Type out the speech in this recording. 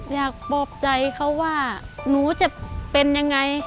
อยากบอกใจเขาว่าหนูจะเป็นอย่างไร